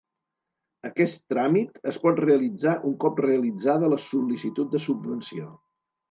Aquest tràmit es pot realitzar un cop realitzada la sol·licitud de subvenció.